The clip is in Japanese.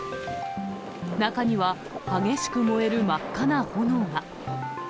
中には激しく燃える真っ赤な炎が。